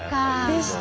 でした。